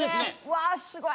わあすごい。